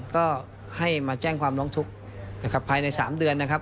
ก็ให้มาแจ้งความร้องทุกข์นะครับภายใน๓เดือนนะครับ